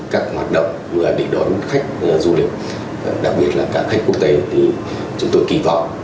các hoạt động vừa để đón khách du lịch đặc biệt là các khách quốc tế thì chúng tôi kỳ vọng